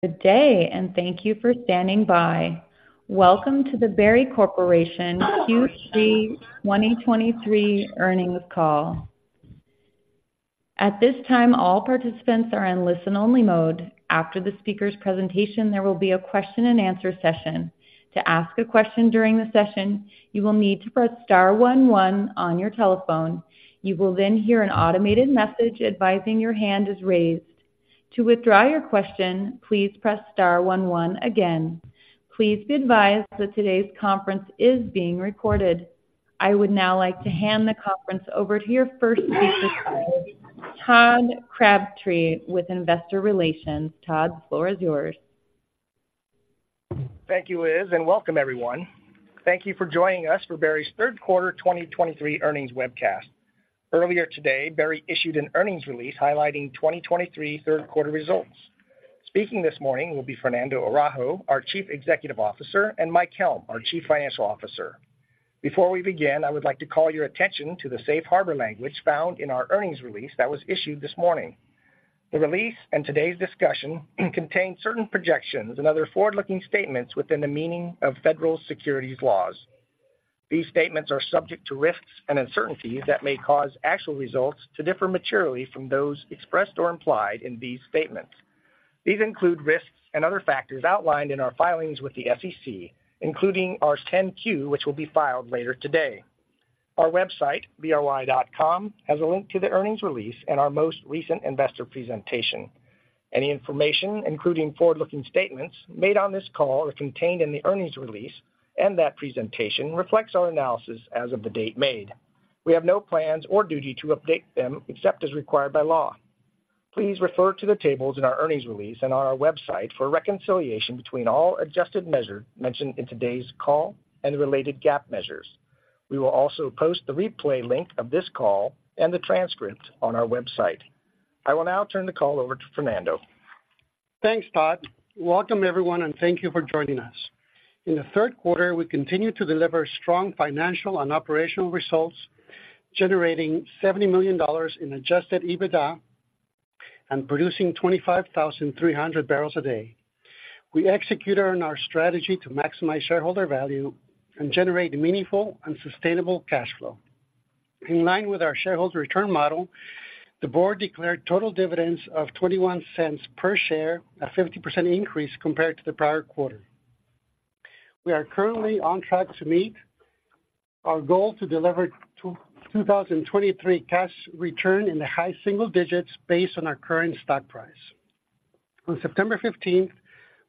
Good day, and thank you for standing by. Welcome to the Berry Corporation Q3 2023 earnings call. At this time, all participants are in listen-only mode. After the speaker's presentation, there will be a Q&A session. To ask a question during the session, you will need to press star one one on your telephone. You will then hear an automated message advising your hand is raised. To withdraw your question, please press star one one again. Please be advised that today's conference is being recorded. I would now like to hand the conference over to your first speaker, Todd Crabtree, with Investor Relations. Todd, the floor is yours. Thank you, Liz, and welcome everyone. Thank you for joining us for Berry's third quarter 2023 earnings webcast. Earlier today, Berry issued an earnings release highlighting 2023 third quarter results. Speaking this morning will be Fernando Araujo, our Chief Executive Officer, and Mike Helm, our Chief Financial Officer. Before we begin, I would like to call your attention to the safe harbor language found in our earnings release that was issued this morning. The release and today's discussion contain certain projections and other forward-looking statements within the meaning of federal securities laws. These statements are subject to risks and uncertainties that may cause actual results to differ materially from those expressed or implied in these statements. These include risks and other factors outlined in our filings with the SEC, including our 10-Q, which will be filed later today. Our website, bry.com, has a link to the earnings release and our most recent investor presentation. Any information, including forward-looking statements made on this call are contained in the earnings release, and that presentation reflects our analysis as of the date made. We have no plans or duty to update them except as required by law. Please refer to the tables in our earnings release and on our website for a reconciliation between all adjusted measures mentioned in today's call and the related GAAP measures. We will also post the replay link of this call and the transcript on our website. I will now turn the call over to Fernando. Thanks, Todd. Welcome, everyone, and thank you for joining us. In the third quarter, we continued to deliver strong financial and operational results, generating $70 million in adjusted EBITDA and producing 25,300 barrels a day. We executed on our strategy to maximize shareholder value and generate meaningful and sustainable cash flow. In line with our shareholder return model, the board declared total dividends of $0.21 per share, a 50% increase compared to the prior quarter. We are currently on track to meet our goal to deliver 2023 cash return in the high single digits based on our current stock price. On September 15th,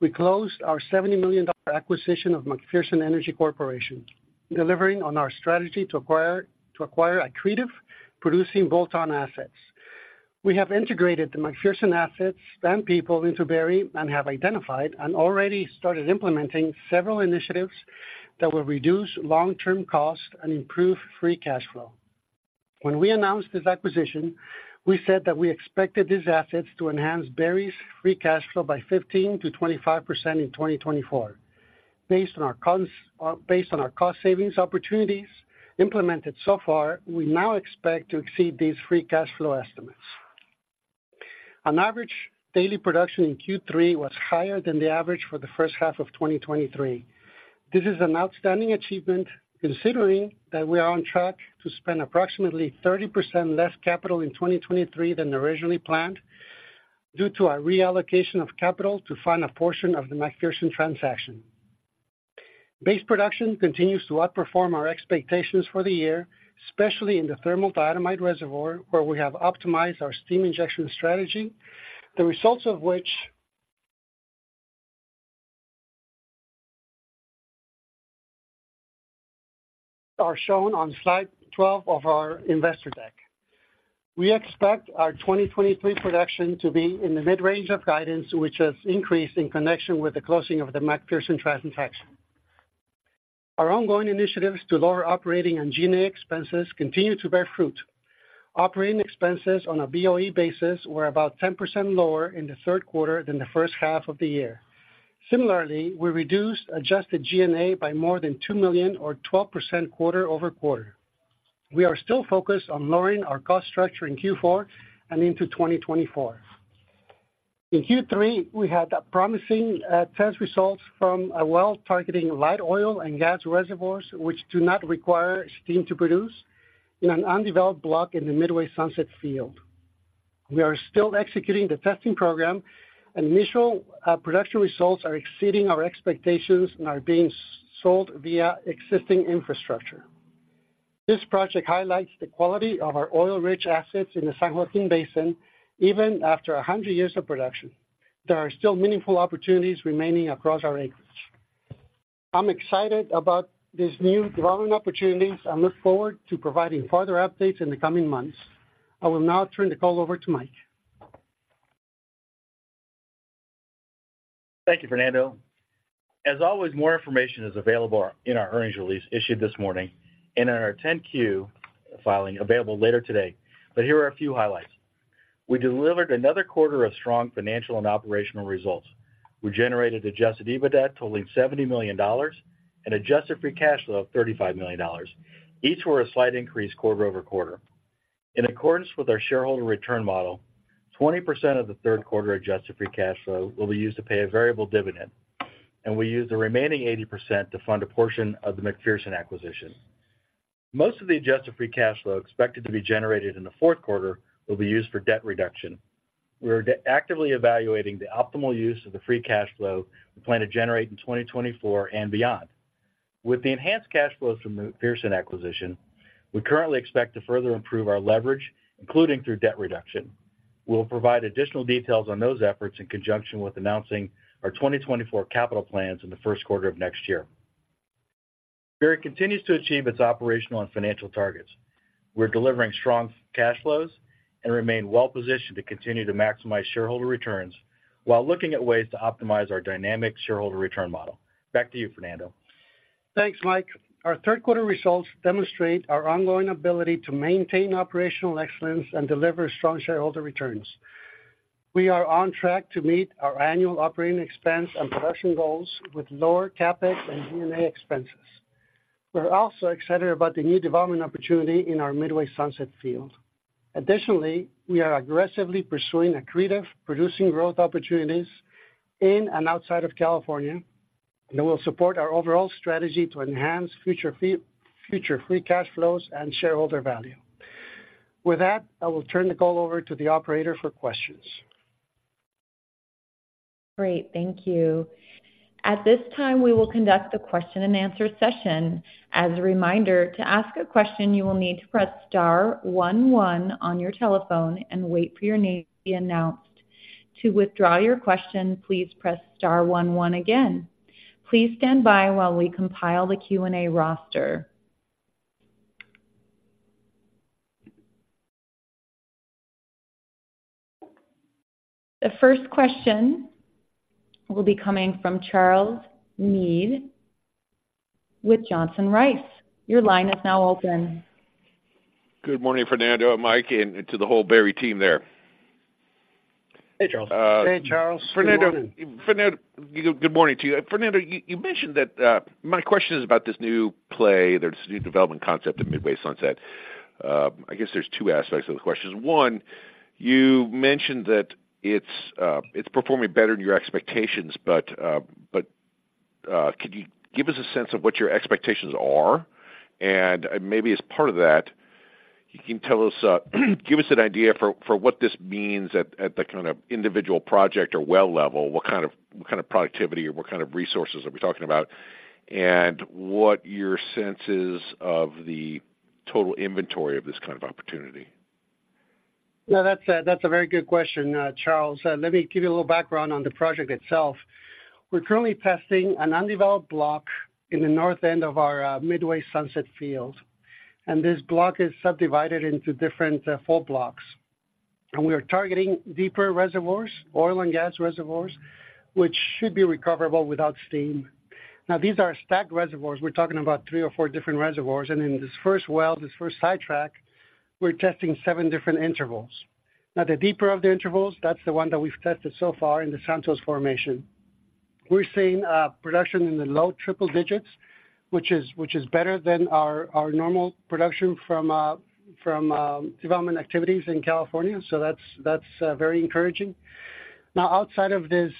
we closed our $70 million acquisition of Macpherson Energy Corporation, delivering on our strategy to acquire, to acquire accretive, producing bolt-on assets. We have integrated the Macpherson assets and people into Berry and have identified and already started implementing several initiatives that will reduce long-term costs and improve free cash flow. When we announced this acquisition, we said that we expected these assets to enhance Berry's free cash flow by 15%-25% in 2024. Based on our cost savings opportunities implemented so far, we now expect to exceed these free cash flow estimates. On average, daily production in Q3 was higher than the average for the first half of 2023. This is an outstanding achievement, considering that we are on track to spend approximately 30% less capital in 2023 than originally planned, due to our reallocation of capital to fund a portion of the Macpherson transaction. Base production continues to outperform our expectations for the year, especially in the Thermal Diatomite Reservoir, where we have optimized our steam injection strategy, the results of which... are shown on slide 12 of our investor deck. We expect our 2023 production to be in the mid-range of guidance, which has increased in connection with the closing of the Macpherson transaction. Our ongoing initiatives to lower operating and G&A expenses continue to bear fruit. Operating expenses on a BOE basis were about 10% lower in the third quarter than the first half of the year. Similarly, we reduced adjusted G&A by more than $2 million or 12% quarter-over-quarter. We are still focused on lowering our cost structure in Q4 and into 2024. In Q3, we had a promising test results from a well-targeting light oil and gas reservoirs, which do not require steam to produce in an undeveloped block in the Midway-Sunset Field. We are still executing the testing program, and initial production results are exceeding our expectations and are being sold via existing infrastructure. This project highlights the quality of our oil-rich assets in the San Joaquin Basin. Even after 100 years of production, there are still meaningful opportunities remaining across our acreage. I'm excited about these new growing opportunities and look forward to providing further updates in the coming months. I will now turn the call over to Mike. Thank you, Fernando. As always, more information is available in our earnings release issued this morning and in our 10-Q filing, available later today. But here are a few highlights: We delivered another quarter of strong financial and operational results. We generated adjusted EBITDA totaling $70 million and adjusted free cash flow of $35 million. Each were a slight increase quarter-over-quarter. ...In accordance with our shareholder return model, 20% of the third quarter adjusted free cash flow will be used to pay a variable dividend, and we use the remaining 80% to fund a portion of the Macpherson acquisition. Most of the adjusted free cash flow expected to be generated in the fourth quarter will be used for debt reduction. We're actively evaluating the optimal use of the free cash flow we plan to generate in 2024 and beyond. With the enhanced cash flows from the Macpherson acquisition, we currently expect to further improve our leverage, including through debt reduction. We'll provide additional details on those efforts in conjunction with announcing our 2024 capital plans in the first quarter of next year. Berry continues to achieve its operational and financial targets. We're delivering strong cash flows and remain well positioned to continue to maximize shareholder returns, while looking at ways to optimize our dynamic shareholder return model. Back to you, Fernando. Thanks, Mike. Our third quarter results demonstrate our ongoing ability to maintain operational excellence and deliver strong shareholder returns. We are on track to meet our annual operating expense and production goals with lower CapEx and G&A expenses. We're also excited about the new development opportunity in our Midway-Sunset Field. Additionally, we are aggressively pursuing accretive producing growth opportunities in and outside of California, that will support our overall strategy to enhance future free cash flows and shareholder value. With that, I will turn the call over to the operator for questions. Great. Thank you. At this time, we will conduct a Q&A session. As a reminder, to ask a question, you will need to press star one, one on your telephone and wait for your name to be announced. To withdraw your question, please press star one, one again. Please stand by while we compile the Q&A roster. The first question will be coming from Charles Meade with Johnson Rice. Your line is now open. Good morning, Fernando and Mike, and to the whole Berry team there. Hey, Charles. Hey, Charles. Fernando, good morning to you. Fernando, you mentioned that. My question is about this new play, this new development concept of Midway-Sunset. I guess there's two aspects of the question. One, you mentioned that it's performing better than your expectations, but could you give us a sense of what your expectations are? And maybe as part of that, you can tell us, give us an idea for what this means at the kind of individual project or well level, what kind of productivity or what kind of resources are we talking about, and what your sense is of the total inventory of this kind of opportunity? No, that's a, that's a very good question, Charles. Let me give you a little background on the project itself. We're currently testing an undeveloped block in the north end of our Midway-Sunset field, and this block is subdivided into different four blocks. And we are targeting deeper reservoirs, oil and gas reservoirs, which should be recoverable without steam. Now, these are stacked reservoirs. We're talking about three or four different reservoirs, and in this first well, this first sidetrack, we're testing seven different intervals. Now, the deeper of the intervals, that's the one that we've tested so far in the Santos Formation. We're seeing production in the low triple digits, which is, which is better than our normal production from development activities in California, so that's very encouraging. Now, outside of this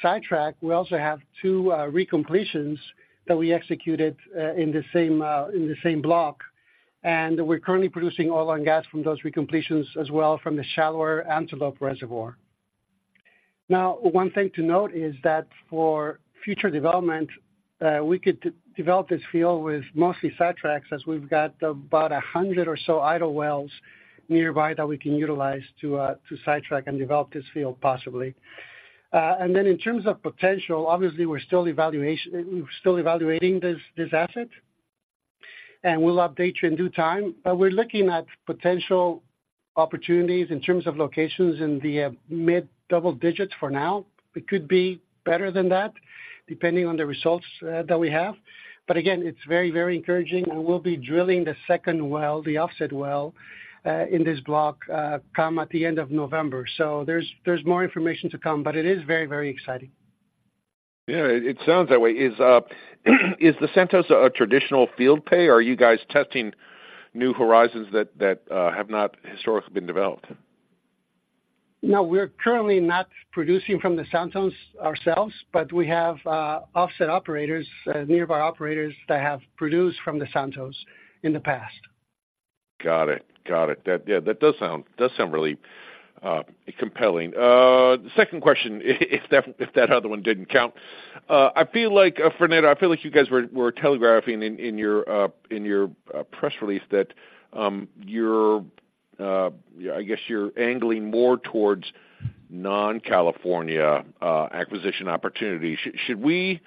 sidetrack, we also have two recompletions that we executed in the same block, and we're currently producing oil and gas from those recompletions as well from the shallower Antelope Reservoir. Now, one thing to note is that for future development, we could de-develop this field with mostly sidetracks, as we've got about 100 or so idle wells nearby that we can utilize to sidetrack and develop this field possibly. And then in terms of potential, obviously, we're still evaluating this asset, and we'll update you in due time. But we're looking at potential opportunities in terms of locations in the mid-double digits for now. It could be better than that, depending on the results that we have. But again, it's very, very encouraging, and we'll be drilling the second well, the offset well, in this block, come at the end of November. So there's, there's more information to come, but it is very, very exciting. Yeah, it, it sounds that way. Is, is the Santos a traditional field pay, or are you guys testing new horizons that, that, have not historically been developed? No, we're currently not producing from the Santos ourselves, but we have offset operators, nearby operators that have produced from the Santos in the past. Got it. Got it. That, yeah, that does sound really compelling. The second question, if that other one didn't count. I feel like, Fernando, I feel like you guys were telegraphing in your press release that, yeah, I guess you're angling more towards non-California acquisition opportunities. Should we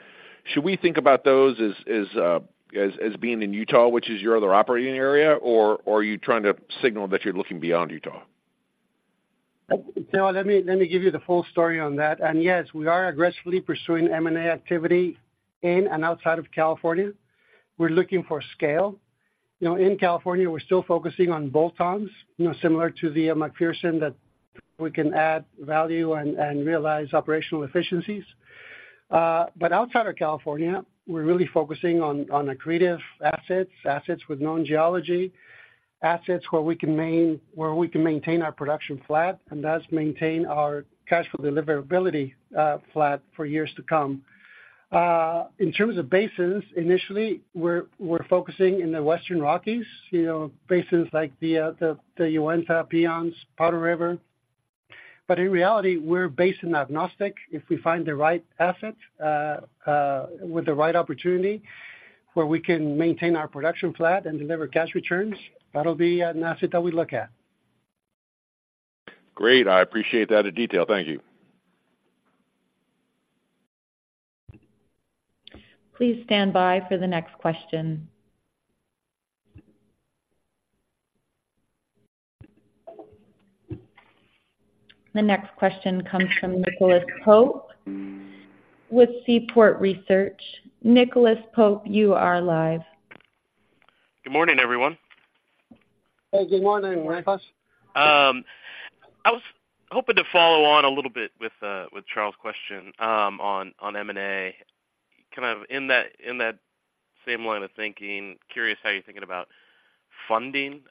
think about those as being in Utah, which is your other operating area, or are you trying to signal that you're looking beyond Utah? No, let me give you the full story on that. Yes, we are aggressively pursuing M&A activity in and outside of California. We're looking for scale. You know, in California, we're still focusing on bolt-ons, you know, similar to the Macpherson that we can add value and realize operational efficiencies. But outside of California, we're really focusing on accretive assets, assets with known geology, assets where we can maintain our production flat, and thus maintain our cash flow deliverability flat for years to come. In terms of basins, initially, we're focusing in the Western Rockies, you know, basins like the Uinta, Piceance, Powder River. But in reality, we're basin agnostic. If we find the right asset, with the right opportunity, where we can maintain our production flat and deliver cash returns, that'll be an asset that we look at. Great. I appreciate that in detail. Thank you. Please stand by for the next question. The next question comes from Nicholas Pope with Seaport Research. Nicholas Pope, you are live. Good morning, everyone. Hey, good morning, Nicholas. I was hoping to follow on a little bit with Charles' question on M&A. Kind of in that same line of thinking, curious how you're thinking about funding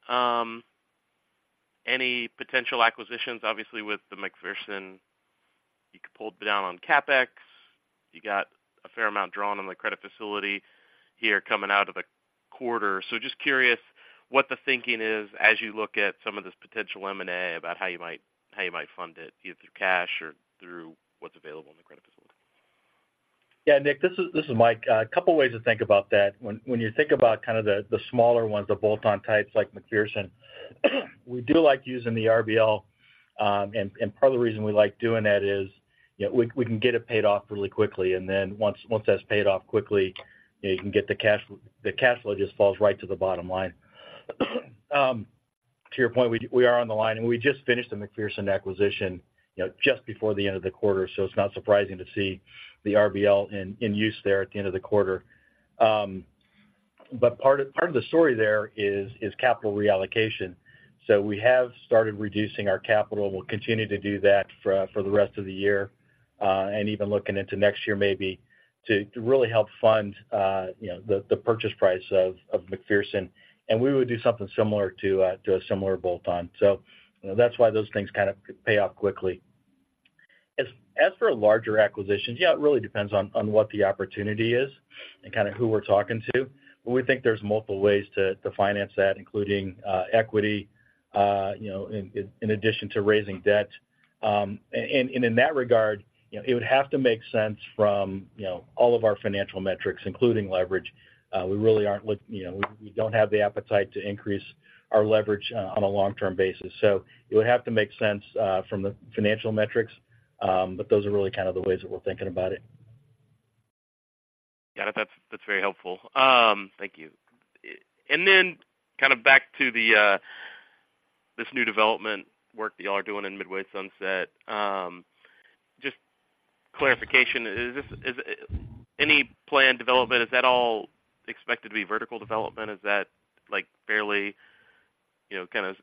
any potential acquisitions, obviously, with the Macpherson, you could pull down on CapEx. You got a fair amount drawn on the credit facility here coming out of the quarter. So just curious what the thinking is as you look at some of this potential M&A, about how you might fund it, either through cash or through what's available in the credit facility. Yeah, Nick, this is Mike. A couple ways to think about that. When you think about kind of the smaller ones, the bolt-on types like Macpherson, we do like using the RBL. And part of the reason we like doing that is, you know, we can get it paid off really quickly, and then once that's paid off quickly, you know, you can get the cash... The cash flow just falls right to the bottom line. To your point, we are on the line, and we just finished the Macpherson acquisition, you know, just before the end of the quarter. So it's not surprising to see the RBL in use there at the end of the quarter. But part of the story there is capital reallocation. So we have started reducing our capital. We'll continue to do that for the rest of the year, and even looking into next year maybe, to really help fund, you know, the purchase price of Macpherson. And we would do something similar to a similar bolt-on. So, you know, that's why those things kind of pay off quickly. As for larger acquisitions, yeah, it really depends on what the opportunity is and kind of who we're talking to. But we think there's multiple ways to finance that, including equity, you know, in addition to raising debt. And in that regard, you know, it would have to make sense from, you know, all of our financial metrics, including leverage. We really aren't looking. You know, we don't have the appetite to increase our leverage on a long-term basis. So it would have to make sense from the financial metrics, but those are really kind of the ways that we're thinking about it. Got it. That's, that's very helpful. Thank you. And then kind of back to this new development work that y'all are doing in Midway-Sunset. Just clarification, is this, is any planned development, is that all expected to be vertical development? Is that, like, fairly, you know, kind of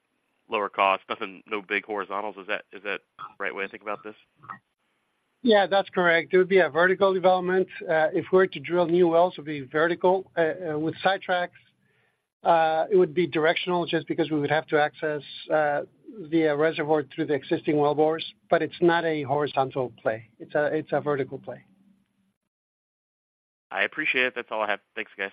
lower cost, nothing, no big horizontals? Is that, is that right way to think about this? Yeah, that's correct. It would be a vertical development. If we were to drill new wells, it would be vertical. With sidetracks, it would be directional just because we would have to access the reservoir through the existing wellbores. But it's not a horizontal play. It's a, it's a vertical play. I appreciate it. That's all I have. Thanks, guys.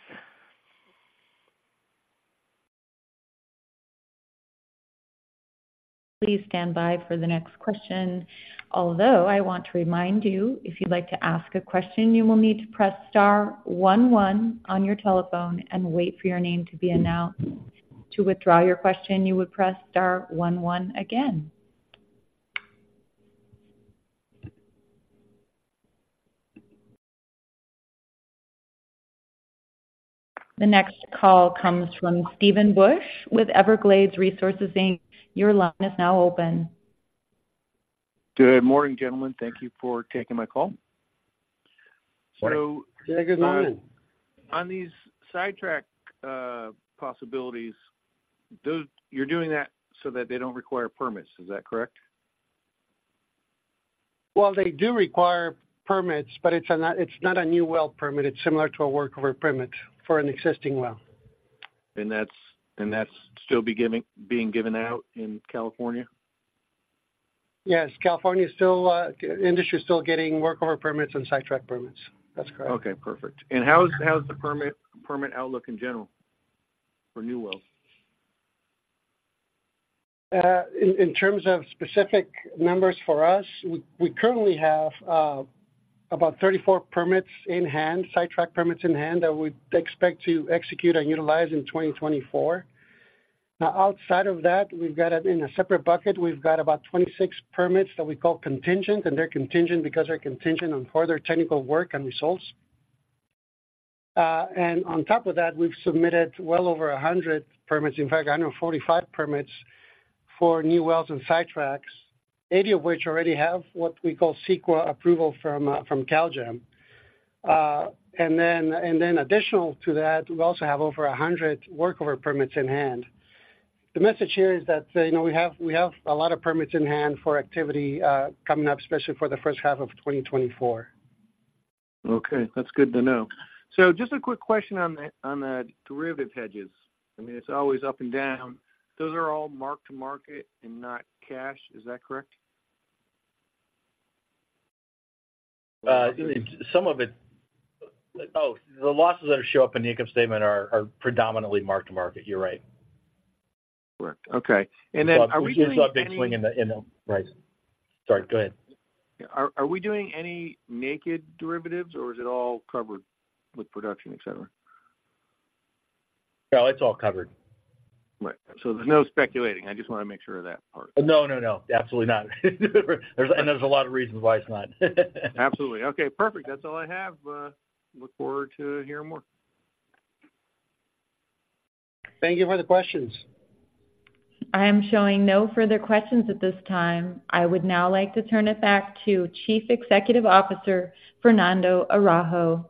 Please stand by for the next question. Although, I want to remind you, if you'd like to ask a question, you will need to press star one one on your telephone and wait for your name to be announced. To withdraw your question, you would press star one one again. The next call comes from Steven Bush with Everglades Resources Inc. Your line is now open. Good morning, gentlemen. Thank you for taking my call. Good morning. On these sidetrack possibilities, those you're doing that so that they don't require permits. Is that correct? Well, they do require permits, but it's not, it's not a new well permit. It's similar to a workover permit for an existing well. And that's still being given out in California? Yes, California is still, industry is still getting workover permits and sidetrack permits. That's correct. Okay, perfect. And how's the permit outlook in general for new wells? In terms of specific numbers for us, we currently have about 34 permits in hand, sidetrack permits in hand, that we expect to execute and utilize in 2024. Now, outside of that, we've got it in a separate bucket. We've got about 26 permits that we call contingent, and they're contingent because they're contingent on further technical work and results. And on top of that, we've submitted well over 100 permits. In fact, I know 45 permits for new wells and sidetracks, 80 of which already have what we call CEQA approval from CalGEM. And then additional to that, we also have over 100 workover permits in hand. The message here is that, you know, we have a lot of permits in hand for activity coming up, especially for the first half of 2024. Okay. That's good to know. So just a quick question on the derivative hedges. I mean, it's always up and down. Those are all mark to market and not cash. Is that correct? Some of it. Oh, the losses that show up in the income statement are, are predominantly mark-to-market. You're right. Correct. Okay. And then are we doing any- Big swing in the... Right. Sorry, go ahead. Are we doing any naked derivatives, or is it all covered with production, et cetera? No, it's all covered. Right. So there's no speculating. I just want to make sure of that part. No, no, no, absolutely not. And there's a lot of reasons why it's not. Absolutely. Okay, perfect. That's all I have. Look forward to hearing more. Thank you for the questions. I am showing no further questions at this time. I would now like to turn it back to Chief Executive Officer, Fernando Araujo.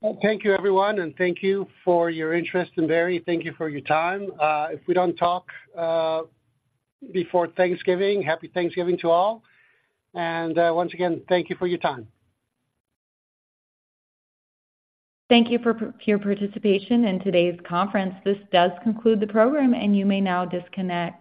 Well, thank you, everyone, and thank you for your interest. And Berry, thank you for your time. If we don't talk before Thanksgiving, Happy Thanksgiving to all. And, once again, thank you for your time. Thank you for your participation in today's conference. This does conclude the program, and you may now disconnect.